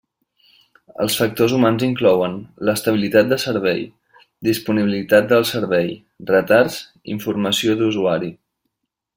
Els factors humans inclouen: l'estabilitat de servei, disponibilitat del servei, retards, informació d'usuari.